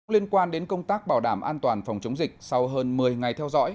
liên quan đến công tác bảo đảm an toàn phòng chống dịch sau hơn một mươi ngày theo dõi